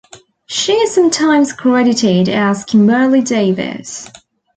She is sometimes credited as "Kimberly Davies".